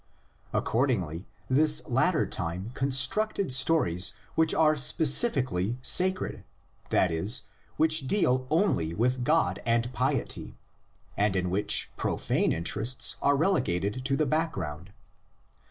Accordingly this later time con structed stories which are specifically "sacred," THE LEGENDS IN ORAL TRADITION. Ill that is, which deal only with God and piety, and in which profane interests are relegated to the back ground.